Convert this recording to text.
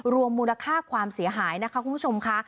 รวมมูลค่าความเสียหายนะคะคุณผู้ชมค่ะ